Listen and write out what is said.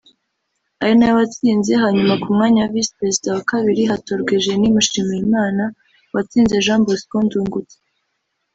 ari nawe watsinze hanyuma ku mwanya wa Visi Perezida wa Kabiri hatorwa Eugenie Mushimiyimana watsinze Jean Bosco Ndungutse